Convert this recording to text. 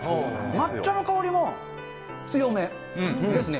抹茶の香りも強めですね。